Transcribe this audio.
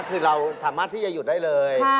คือเราสามารถที่จะหยุดได้เลย